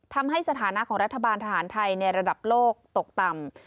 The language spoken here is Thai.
ทำให้สถานะของรัฐบาลทหารไทยในระดับโลกตกต่ำ